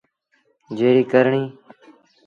جيڙي ڪرڻيٚ۔